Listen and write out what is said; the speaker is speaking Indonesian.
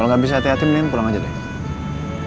kalau gak bisa hati hati mending pulang aja deh